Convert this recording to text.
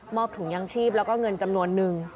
ถุงยางชีพแล้วก็เงินจำนวนนึง